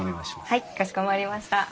はいかしこまりました。